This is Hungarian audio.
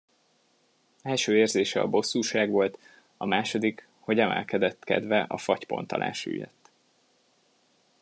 Első érzése a bosszúság volt, a második, hogy emelkedett kedve a fagypont alá süllyedt.